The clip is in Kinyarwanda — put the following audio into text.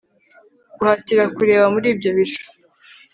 guhatira kureba muri ibyo bicu